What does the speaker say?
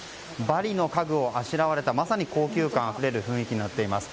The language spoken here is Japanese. バリの家具があしらわれたまさに高級感あふれる雰囲気になっています。